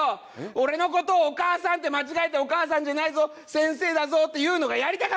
俺の事をお母さんって間違えてお母さんじゃないぞ先生だぞっていうのがやりたかったんだよ！